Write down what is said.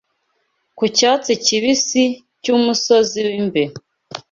Ku cyatsi kibisi cyumusozi wimbere